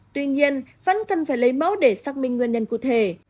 tuy nhiên vẫn cần phải lấy mẫu để xác minh nguyên nhân cụ thể